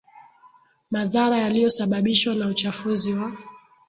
madhara yaliyosababishwa na uchafuzi wa